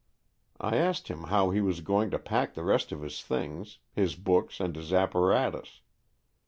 I asked him how he was going to pack the rest of his things, his books and his apparatus.